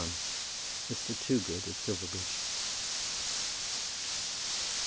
MR. TOOGOOD AT SILVERBRIDGE.